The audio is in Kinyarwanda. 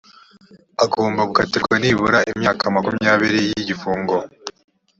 agomba gukatirwa nibura imyaka makumyabiri y’igifungo